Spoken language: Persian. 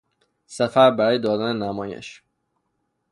سفر برای دادن نمایش